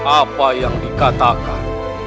apa yang dikatakan